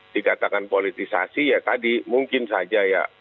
dikatakan politisasi ya tadi mungkin saja ya